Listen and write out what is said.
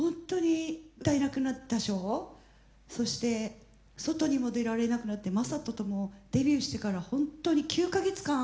そして外にも出られなくなって正人ともデビューしてから本当に９か月間会えなかったの。